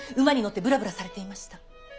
馬に乗ってぶらぶらされていました。